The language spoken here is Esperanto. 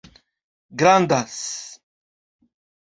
grandas